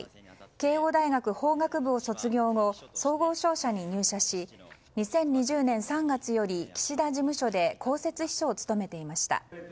慶應大学法学部を卒業後総合商社に入社し２０２０年３月より岸田事務所で公設秘書を務めていました。